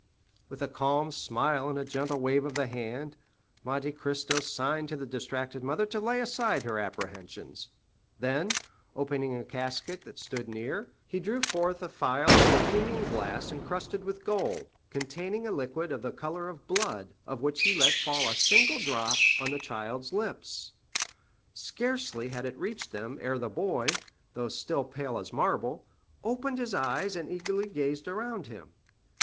With a calm smile and a gentle wave of the hand, Monte Cristo signed to the distracted mother to lay aside her apprehensions; then, opening a casket that stood near, he drew forth a phial of Bohemian glass incrusted with gold, containing a liquid of the color of blood, of which he let fall a single drop on the child's lips. Scarcely had it reached them, ere the boy, though still pale as marble, opened his eyes, and eagerly gazed around him.